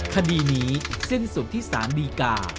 คดีนี้สิ้นสุดที่สารดีกา